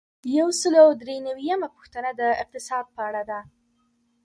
یو سل او درې نوي یمه پوښتنه د اقتصاد په اړه ده.